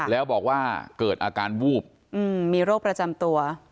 แล้วบอกว่าเกิดอาการวูบมีโรคประจำตัว